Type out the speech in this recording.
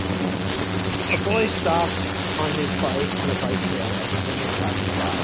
A boy stopped on his bike on a bike trail as a woman passes by